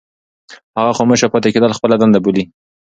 هغه خاموشه پاتې کېدل خپله دنده بولي.